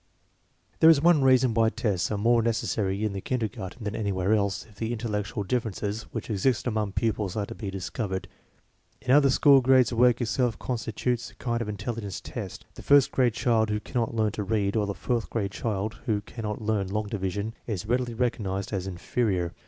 There is one reason why tests are more necessary in the kinder garten than anywhere else, if the intellectual differ ences which exist among pupils are to be discovered. In other school grades the work itself constitutes a kind of intelligence test. The first grade child who cannot learn to read, or the fourth grade child who cannot learn long division, is readily recognized as inferior.